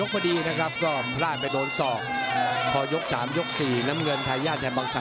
พี่น้องอ่ะพี่น้องอ่ะพี่น้องอ่ะพี่น้องอ่ะ